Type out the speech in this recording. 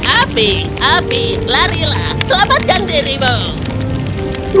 api api larilah selamatkan dirimu